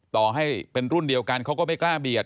ต่อให้เป็นรุ่นเดียวกันเขาก็ไม่กล้าเบียด